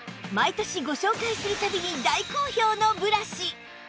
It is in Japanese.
毎年ご紹介する度に大好評のブラシ